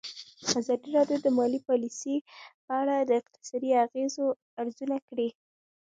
ازادي راډیو د مالي پالیسي په اړه د اقتصادي اغېزو ارزونه کړې.